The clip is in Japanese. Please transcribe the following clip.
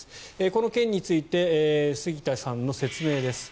この件について杉田さんの説明です。